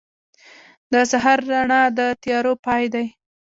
• د سهار رڼا د تیارو پای دی.